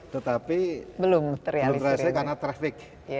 tetapi belum terrealisasi karena traffic